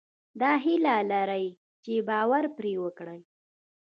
دا هيله لرئ چې باور پرې وکړئ.